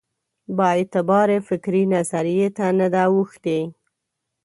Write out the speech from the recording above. بااعتبارې فکري نظریې ته نه ده اوښتې.